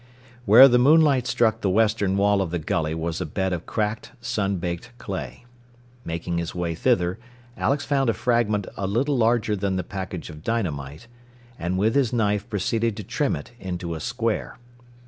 Where the moonlight struck the western wall of the gully was a bed of cracked, sun baked clay. Making his way thither, Alex found a fragment a little larger than the package of dynamite, and with his knife proceeded to trim it into a square.